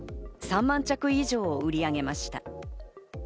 ３万着以上売り上げました。